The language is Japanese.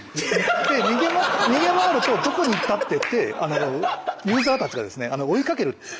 逃げ回るとどこに行ったってユーザーたちが追いかける。